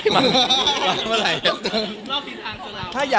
มันมาเวลาฮะ